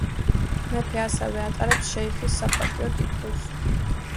მეფე ასევე ატარებს შეიხის საპატიო ტიტულს.